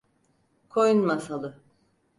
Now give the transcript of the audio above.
Koyun Masalı.